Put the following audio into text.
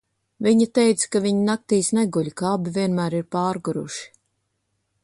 Viņa teica, ka viņi naktīs neguļ, ka abi vienmēr ir pārguruši.